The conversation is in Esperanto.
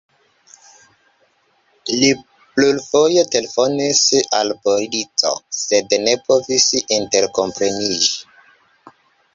Li plurfoje telefonis al polico, sed ne povis interkompreniĝi.